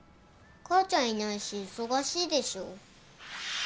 母ちゃんいないし忙しいでしょ。